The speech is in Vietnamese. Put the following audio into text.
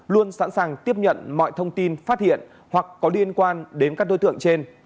luôn sẵn sàng tiếp nhận mọi thông tin phát hiện hoặc có liên quan đến các đối tượng trên